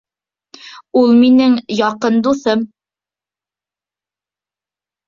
Ул минең яҡын дуҫым